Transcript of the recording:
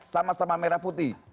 sama sama merah putih